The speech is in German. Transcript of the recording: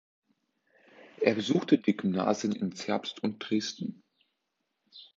Er besuchte die Gymnasien in Zerbst und Dresden.